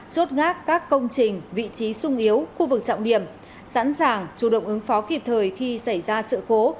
chốt ngác các công trình vị trí sung yếu khu vực trọng điểm sẵn sàng chủ động ứng phó kịp thời khi xảy ra sự cố